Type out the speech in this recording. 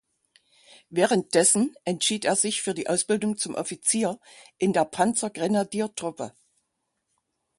Währenddessen entschied er sich für die Ausbildung zum Offizier in der Panzergrenadiertruppe.